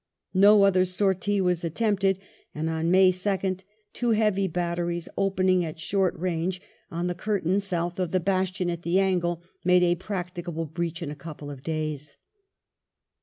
No other sortie was attempted ; and on May 2nd two heavy batteries, opening at short range on the cur II STORMING OF SERINGAPATAM 43 tain south of the bastion at the angle, made a practicable breach in a couple of days.